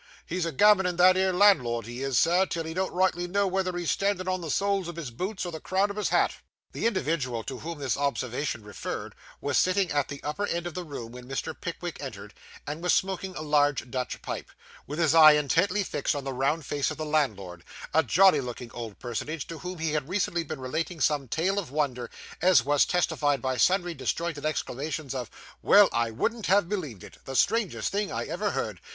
'He's a gammonin' that 'ere landlord, he is, sir, till he don't rightly know wether he's a standing on the soles of his boots or the crown of his hat.' The individual to whom this observation referred, was sitting at the upper end of the room when Mr. Pickwick entered, and was smoking a large Dutch pipe, with his eye intently fixed on the round face of the landlord; a jolly looking old personage, to whom he had recently been relating some tale of wonder, as was testified by sundry disjointed exclamations of, 'Well, I wouldn't have believed it! The strangest thing I ever heard!